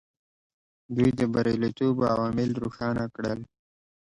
دوی د بریالیتوب عوامل روښانه کړل.